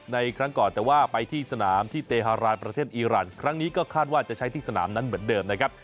ในครั้งก่อนแต่ว่าไปที่สนามที่เตฮารานประเทศอีรันครั้งนี้ก็คาดว่าจะใช้ที่สนามนั้นเหมือนเดิมนะครับ